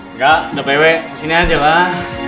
engga udah pewe disini aja lah